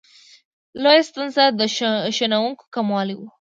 لویه ستونزه د ښوونکو کموالی و.